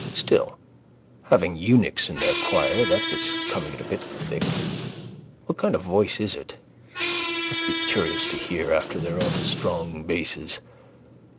Still, having eunuchs in their choir that was coming it a bit thick. What kind of voice is it? Must be curious to hear after their own strong basses.